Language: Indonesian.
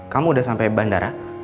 kamu udah sampe bandara